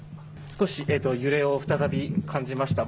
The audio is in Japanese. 少し揺れを、再び感じました。